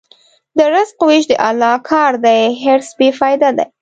د رزق وېش د الله کار دی، حرص بېفایده دی.